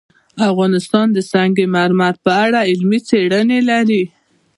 افغانستان د سنگ مرمر په اړه علمي څېړنې لري.